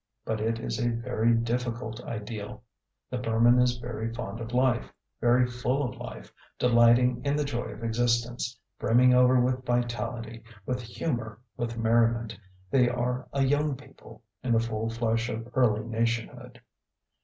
But it is a very difficult ideal. The Burman is very fond of life, very full of life, delighting in the joy of existence, brimming over with vitality, with humour, with merriment. They are a young people, in the full flush of early nationhood.